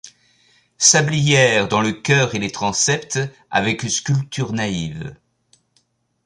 Sablières dans le chœur et les transepts avec sculpture naïve.